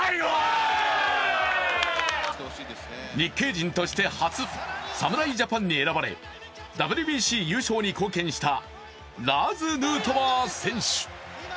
日系人として初、侍ジャパンに選ばれＷＢＣ優勝に貢献した、ラーズ・ヌートバー選手。